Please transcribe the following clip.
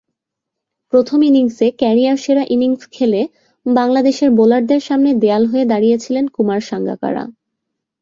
প্রথম ইনিংসে ক্যারিয়ারসেরা ইনিংস খেলে বাংলাদেশের বোলারদের সামনে দেয়াল হয়ে দাঁড়িয়েছিলেন কুমার সাঙ্গাকারা।